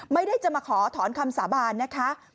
ไม่ได้จะมาขอถอนคำสาบานนะคะ